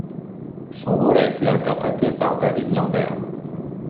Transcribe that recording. Son rôle a été interprété par David Lambert.